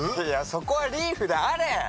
いやそこはリーフであれ！